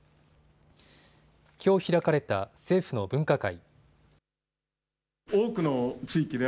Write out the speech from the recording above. きょう開かれた政府の分科会。